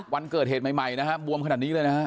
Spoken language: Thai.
วันเกิดเหตุใหม่นะฮะบวมขนาดนี้เลยนะฮะ